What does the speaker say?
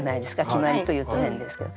決まりというと変ですけど。